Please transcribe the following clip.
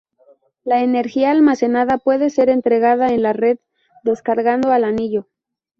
La energía almacenada puede ser entregada a la red descargando al anillo.